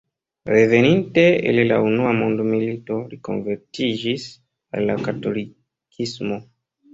Reveninte el la unua mondmilito li konvertiĝis al katolikismo.